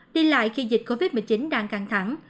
đi lại khi dịch covid một mươi chín đang căng thẳng